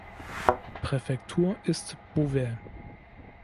Präfektur ist Beauvais.